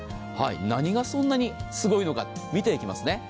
何がそんなにすごいのか見ていきますね。